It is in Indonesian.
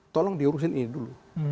tolong diurusin ini dulu